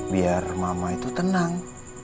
biar mama itu tenang